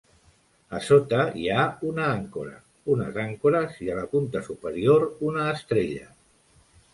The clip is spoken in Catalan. A sota hi ha una àncora; unes àncores i a la punta superior una estrella.